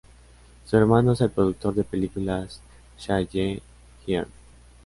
Su hermano es el productor de películas "Cha Ji-hyeon.